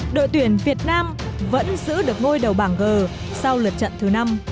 đội tuyển việt nam vẫn giữ được ngôi đầu bảng g sau lượt trận thứ năm